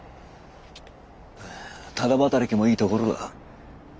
ただ働きもいいところだ。